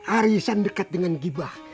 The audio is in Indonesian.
arisan dekat dengan gibah